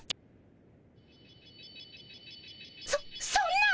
そそんな！